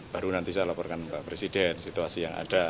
baru nanti saya laporkan pak presiden situasi yang ada